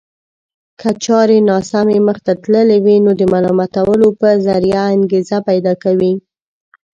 که چارې ناسمې مخته تللې وي نو د ملامتولو په ذريعه انګېزه پيدا کوي.